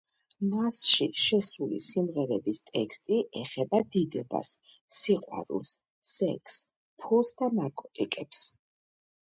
მასში შესული სიმღერების ტექსტი ეხება დიდებას, სიყვარულს, სექსს, ფულს და ნარკოტიკებს.